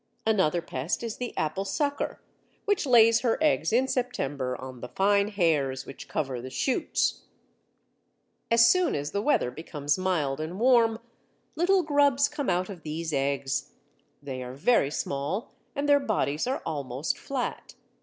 Another pest is the Apple sucker, which lays her eggs in September on the fine hairs which cover the shoots. As soon as the weather becomes mild and warm, little grubs come out of these eggs; they are very small, and their bodies are almost flat.